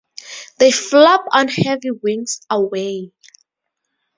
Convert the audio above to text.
They flop on heavy wings away.